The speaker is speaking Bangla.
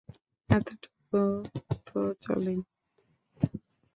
এতটুক তো চলেই!